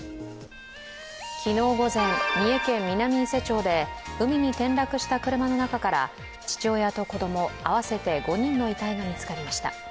昨日午前、三重県南伊勢町で海に転落した車の中から父親と子供合わせて５人の遺体が見つかりました。